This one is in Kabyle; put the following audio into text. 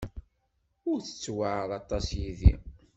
Ur ttewɛaṛ aṭas yid-i.